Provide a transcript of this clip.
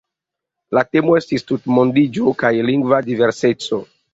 La temo estis "Tutmondiĝo kaj lingva diverseco.